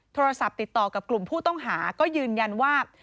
โทรศัพท์ติดต่อกับกลุ่มผู้ต้องหาก็ยืนยันว่า